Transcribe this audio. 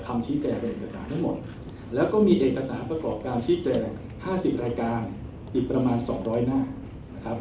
คำชี้แจงในเอกสารทั้งหมดแล้วก็มีเอกสารประกอบการชี้แจง๕๐รายการอีกประมาณ๒๐๐หน้านะครับ